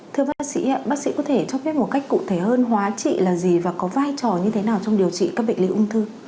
thưa bác sĩ bác sĩ có thể cho biết một cách cụ thể hơn hóa trị là gì và có vai trò như thế nào trong điều trị các bệnh lý ung thư